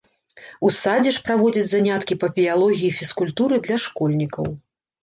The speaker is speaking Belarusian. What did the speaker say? У садзе ж праводзяць заняткі па біялогіі і фізкультуры для школьнікаў.